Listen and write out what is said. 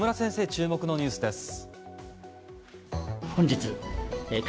注目のニュースです。